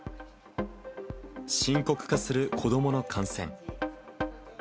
深刻化する子どもの感染。